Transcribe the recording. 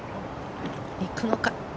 行くのか？